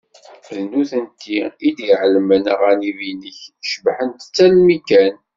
D nutenti i d-iɛellmen aɣanib-inek cebbḥent-tt almi kan.